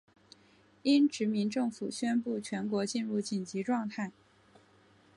英殖民政府宣布全国进入紧急状态。